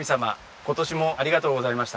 今年もありがとうございました。